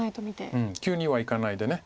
うん急にはいかないでね。